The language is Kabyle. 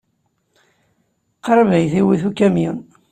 Qrib ay t-iwit ukamyun.